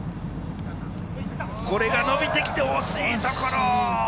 これが伸びてきて、惜しいところ！